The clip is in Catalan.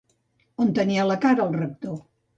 On tenia la cara el rector?